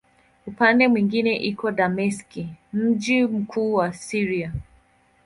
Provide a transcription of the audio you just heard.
Upande mwingine iko Dameski, mji mkuu wa Syria.